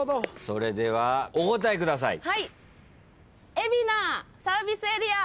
それではお答えください。